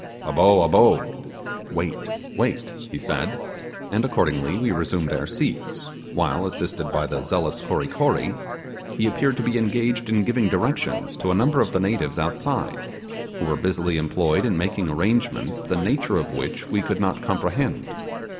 'Abo, abo' (Wait, wait), he said and accordingly we resumed our seats, while, assisted by the zealous Kory Kory, he appeared to be engaged in giving directions to a number of the natives outside, who were busily employed in making arrangements, the nature of which we could not comprehend.